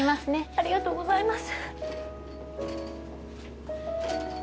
ありがとうございます。